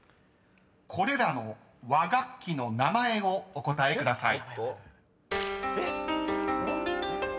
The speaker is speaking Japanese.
［これらの和楽器の名前をお答えください］